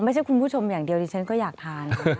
ไม่ใช่คุณผู้ชมอย่างเดียวดิฉันก็อยากทาน